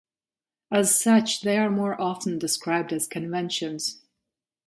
As such, they are more often described as "conventions".